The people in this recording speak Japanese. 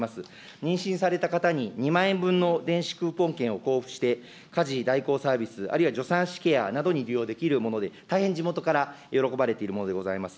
妊娠された方に２万円分の電子クーポン券を交付して、家事代行サービス、あるいは助産師ケアなどに利用できるもので、大変地元から喜ばれているものでございます。